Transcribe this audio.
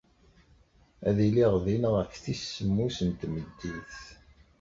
Ad iliɣ din ɣef tis semmus n tmeddit.